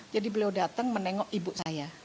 jadi beliau datang menengok ibu saya